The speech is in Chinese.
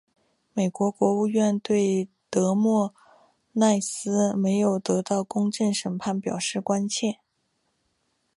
美国国务院对德莫赖斯没有得到公平审判表示关切。